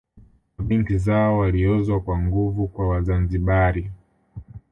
Mabinti zao waliozwa kwa nguvu kwa Wazanzibari